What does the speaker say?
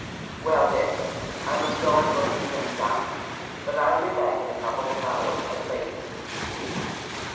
"Well, Dick, I must go and look for Jane Dimond, but I'll be back in a couple of hours at latest."